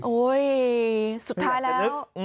โอ้ยสุดท้ายแล้ว